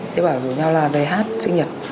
thì bảo rủ nhau là về hát sinh nhật